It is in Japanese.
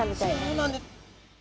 そうなんです。